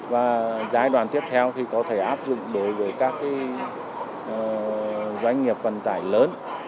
và giai đoạn tiếp theo thì có thể áp dụng đối với các doanh nghiệp vận tải lớn